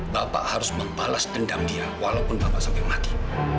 bapak harus membalas dendam dia walaupun bapak sampai mati